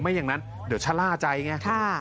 อย่างนั้นเดี๋ยวชะล่าใจไง